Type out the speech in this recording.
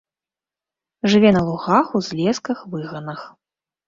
Жыве на лугах, узлесках, выганах.